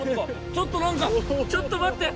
ちょっとなんかちょっとまって！